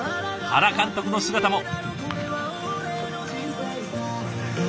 原監督の姿も。